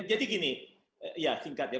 jadi gini ya singkat ya